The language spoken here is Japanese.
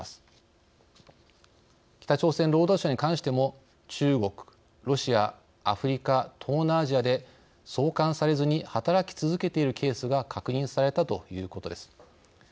北朝鮮労働者に関しても中国ロシアアフリカ東南アジアで送還されずに働き続けているケースが確認されたということです。